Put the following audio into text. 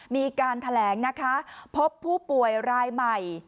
มีการแถลงนะคะพบผู้ป่วยรายใหม่